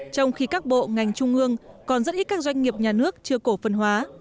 trong khi các bộ ngành trung ương còn rất ít các doanh nghiệp nhà nước chưa cổ phần hóa